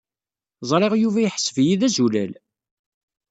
Ẓriɣ Yuba yeḥseb-iyi d azulal.